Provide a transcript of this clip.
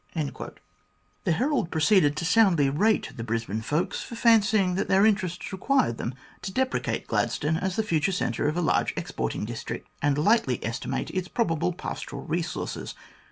.80 THE GLADSTONE COLONY The Herald proceeded to soundly rate the Brisbane folks for fancying that their interests required them to depreciate Gladstone as the future centre of a large exporting district, and lightly estimate its probable pastoral resources.